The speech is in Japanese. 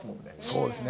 そうですね。